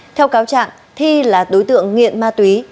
theo cáo trạng thi là đối tượng nghiện ma túy